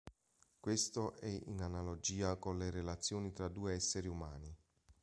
Questo è in analogia con le relazioni tra due esseri umani.